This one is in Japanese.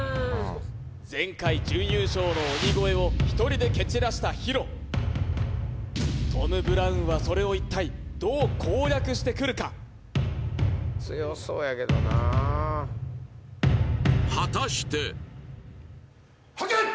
前回準優勝の鬼越を１人で蹴散らしたＨＩＲＯトム・ブラウンはそれを一体どう攻略してくるか果たしてはっけよい！